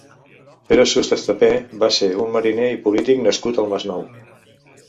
Pere Sust Estapé va ser un mariner i polític nascut al Masnou.